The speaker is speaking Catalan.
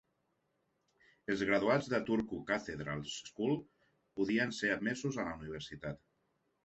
Els graduats de Turku Cathedral School podien ser admesos a la universitat.